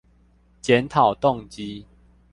檢討動機